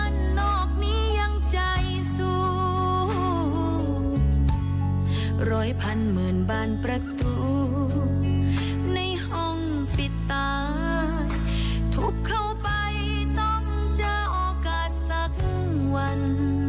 ร้อยพันหมื่นบานประตูในห้องปิดตาทุกเข้าไปต้องเจอโอกาสสักวัน